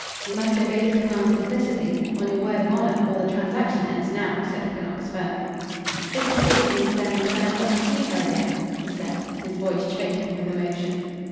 "You must obey the commands implicitly, on your word of honor, or the transaction ends now," said Quinnox, firmly. "This escape means, then, that I am not to see her again," he said, his voice choking with emotion.